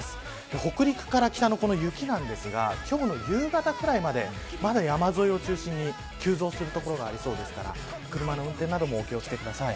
北陸から北の雪なんですが今日の夕方ぐらいまでまだ山沿いを中心に急増する所がありそうですから車の運転などもお気を付けください。